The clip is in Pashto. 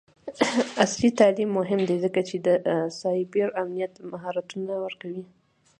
عصري تعلیم مهم دی ځکه چې د سایبر امنیت مهارتونه ورکوي.